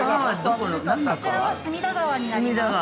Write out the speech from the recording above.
◆こちら、隅田川になります。